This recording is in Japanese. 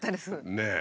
ねえ。